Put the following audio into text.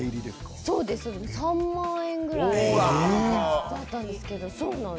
３万円ぐらいしたんですけど。